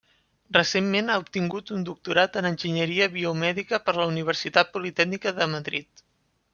Recentment ha obtingut un Doctorat en Enginyeria Biomèdica per la Universitat Politècnica de Madrid.